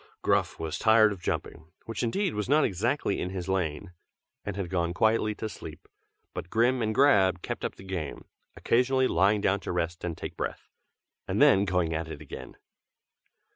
Gruff was tired of jumping, which indeed was not exactly in his line; and had gone quietly to sleep; but Grim and Grab kept up the game, occasionally lying down to rest and take breath, and then going at it again.